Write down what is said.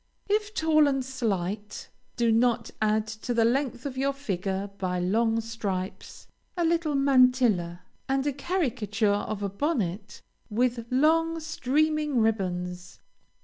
If tall and slight, do not add to the length of your figure by long stripes, a little mantilla, and a caricature of a bonnet, with long, streaming ribbons.